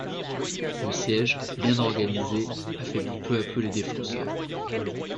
Le siège, bien organisé, affaiblit peu à peu les défenseurs.